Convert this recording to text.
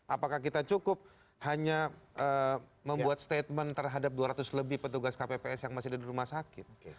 apakah kita cukup hanya membuat statement terhadap dua ratus lebih petugas kpps yang masih diberi penghutus